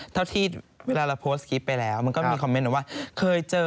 เท่าที่เวลาเราโพสต์คลิปไปแล้วมันก็มีคอมเมนต์ว่าเคยเจอ